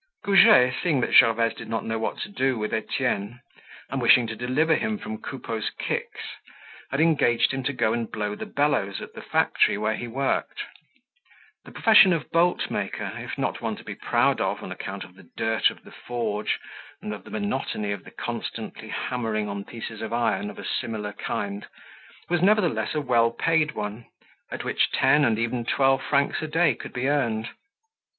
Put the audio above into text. Goujet, seeing that Gervaise did not know what to do with Etienne, and wishing to deliver him from Coupeau's kicks, had engaged him to go and blow the bellows at the factory where he worked. The profession of bolt maker, if not one to be proud of on account of the dirt of the forge and of the monotony of constantly hammering on pieces of iron of a similar kind, was nevertheless a well paid one, at which ten and even twelve francs a day could be earned.